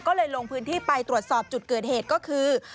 ก็เลยลงพื้นที่ไปตรวจสอบจุดเกิดเหตุก็คือ